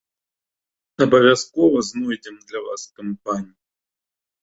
Абавязкова знойдзем для вас кампанію!